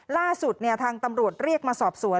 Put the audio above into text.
ล่าสุดทางตำรวจเรียกมาสอบสวน